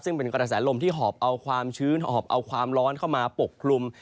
ซึ่งเป็นกระแสลมที่หอบเอาความชื้นหอบเอาความร้อนเข้ามาปกคลุม